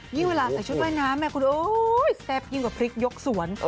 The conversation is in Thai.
เยี่ยมเวลาใส่ชุดว่ายน้ำแซ่บเยี่ยมกว่าพริกยกสวน